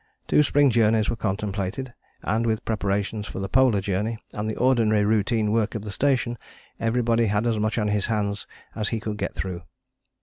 Two spring journeys were contemplated; and with preparations for the Polar Journey, and the ordinary routine work of the station, everybody had as much on his hands as he could get through.